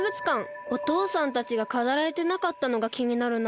おとうさんたちがかざられてなかったのがきになるな。